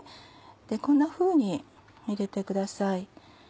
こんなふうに入れてください。